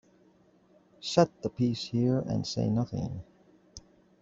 Set the piece here and say nothing.